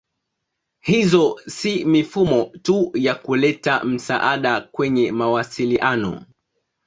Hizo si mifumo tu ya kuleta msaada kwenye mawasiliano.